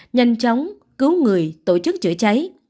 nhanh chóng cứu người tổ chức chữa cháy